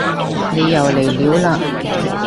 你又嚟料嘞